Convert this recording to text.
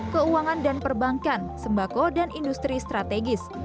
keuangan dan perbankan sembako dan industri strategis